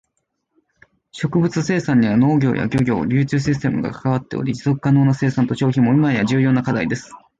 食物生産には農業や漁業、流通システムが関わっており、持続可能な生産と消費も今や重要な課題です。